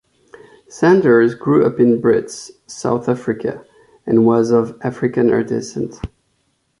Sanders grew up in Brits, South Africa, and was of Afrikaner descent.